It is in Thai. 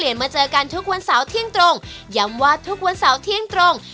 ยัมวาทุกวันเสาร์เที่ยงตรง